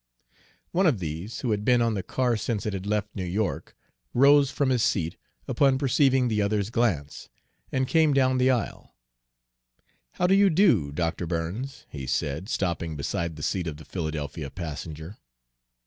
One of these, who had been on the car since it had left New York, rose from his seat upon perceiving the other's glance, and came down the aisle. "How do you do, Dr. Burns?" he said, stopping beside the seat of the Philadelphia passenger.